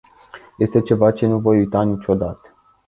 Este ceva ce nu voi uita niciodată.